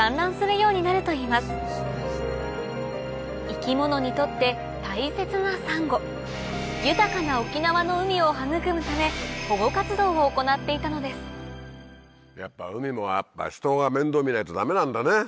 生き物にとって大切なサンゴを育むためを行っていたのですやっぱ海も人が面倒見ないとダメなんだね。